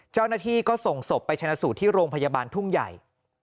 เจ้าหน้าที่ก็ส่งศพไปชนะสูตรที่โรงพยาบาลทุ่งใหญ่